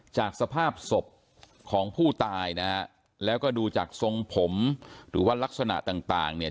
จากสภาพศพของผู้ตายนะฮะแล้วก็ดูจากทรงผมหรือว่ารักษณะต่างต่างเนี่ย